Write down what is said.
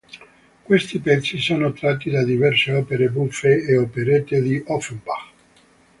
Questi pezzi sono tratti da diverse opere buffe e operette di Offenbach.